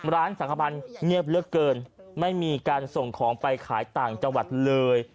ร้านสังขพันธ์เงียบเหลือเกินไม่มีการส่งของไปขายต่างจังหวัดเลย